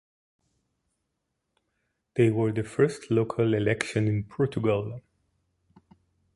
They were the first local elections in Portugal.